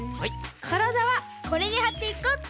からだはこれにはっていこうっと。